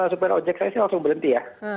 supir ojek saya sih langsung berhenti ya